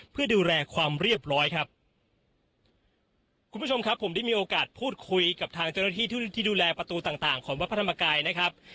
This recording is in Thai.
เพื่อดูแลความเรียบร้อยครับคุณผู้ชมครับผมได้มีโอกาสพูดคุยกับทางเจ้าหน้าที่ที่ที่ดูแลประตูต่างต่างของวัดพระธรรมกายนะครับ